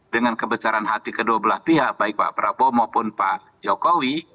dengan kebesaran hati kedua belah pihak baik pak prabowo maupun pak jokowi